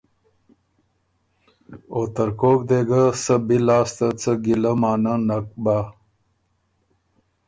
او ترکوک دې ګه سۀ بی لاسته څه ګیلۀ مانۀ نک بۀ۔